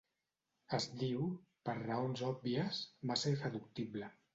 Es diu, per raons òbvies, massa irreductible.